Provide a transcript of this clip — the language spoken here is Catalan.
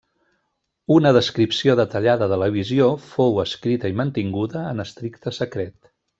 Una descripció detallada de la visió fou escrita i mantinguda en estricte secret.